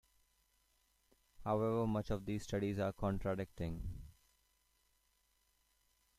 However, much of these studies are contradicting.